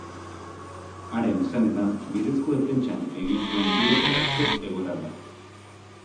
Haren esanetan, bidezko defentsan egin zuen tiro eta shock egoeran dago.